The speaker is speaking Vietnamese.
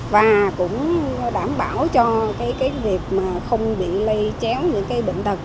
và cũng đảm bảo cho cái việc mà không bị lây chéo những cái bệnh tật